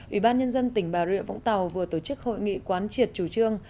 ủy ban nhân dân tỉnh bà rịa vũng tàu vừa tổ chức hội nghị quán triệt chủ trương